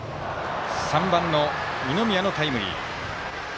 ３番の二宮のタイムリー。